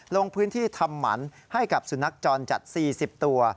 ลงพื้นที่ทำหมันให้กับสุนัขจรจัด๔๐ตัว